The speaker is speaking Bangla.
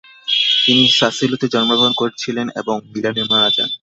তিনি সাসেলোতে জন্মগ্রহণ করেছিলেন এবং মিলানে মারা যান।